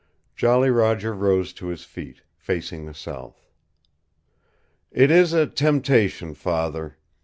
Jolly Roger rose to his feet, facing the south. "It is a temptation, father.